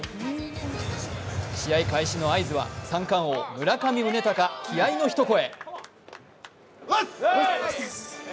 試合開始の合図は三冠王・村上宗隆、気合いの一声。